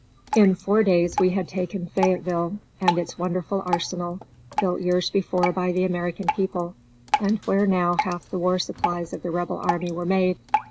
In four days we had taken Fayetteville and its wonderful arsenal, built years before by the American people, and where now half the war supplies of the Rebel army were made.